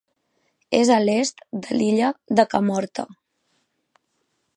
És a l'est de l'illa de Kamorta.